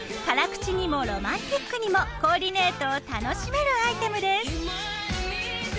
辛口にもロマンチックにもコーディネートを楽しめるアイテムです。